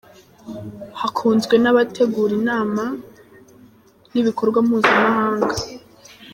hakunzwe n’abategura inama n’ibikorwa mpuzamahanga.